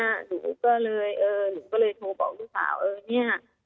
หนูก็เลยโทรบอกครูสาวเนี่ย